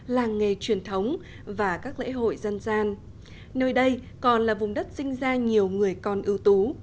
làng nghề truyền thống và các lễ hội dân gian nơi đây còn là vùng đất sinh ra nhiều người con ưu tú